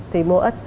thì mua ít